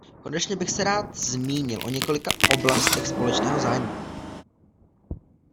Konečně bych se rád zmínil o několika oblastech společného zájmu.